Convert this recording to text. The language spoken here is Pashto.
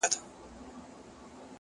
د کاغذ پرې کېدل تل یو ناڅاپي غږ لري